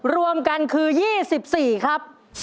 รวมกันคือ๒๔ครับ